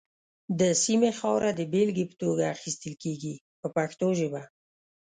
د سیمې خاوره د بېلګې په توګه اخیستل کېږي په پښتو ژبه.